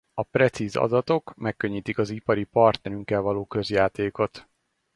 A precíz adatok megkönnyítik az ipari partnerünkkel való közjátékot.